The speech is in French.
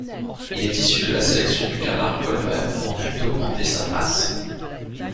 Il est issu de la sélection du canard colvert en vue d'augmenter sa masse.